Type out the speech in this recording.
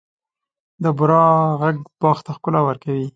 د بورا ږغ باغ ته ښکلا ورکوي.